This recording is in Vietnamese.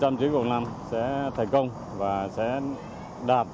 thì chúng ta sẽ thành công và sẽ đạt chín mươi năm một trăm linh